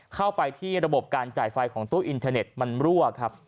เข้าไปที่ระบบการจ่ายไฟของตู้อินเทอร์เน็ตมันรั่วครับ